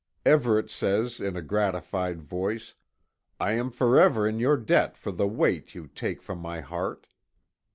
Everet says in a gratified voice: "I am forever in your debt for the weight you take from my heart.